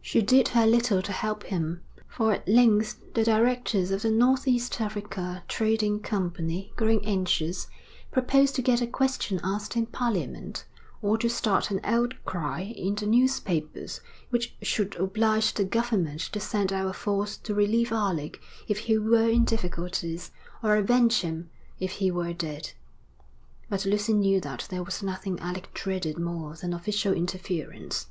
She did her little to help him. For at length the directors of the North East Africa Trading Company, growing anxious, proposed to get a question asked in Parliament, or to start an outcry in the newspapers which should oblige the government to send out a force to relieve Alec if he were in difficulties, or avenge him if he were dead. But Lucy knew that there was nothing Alec dreaded more than official interference.